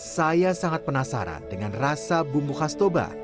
saya sangat penasaran dengan rasa bumbu khas toba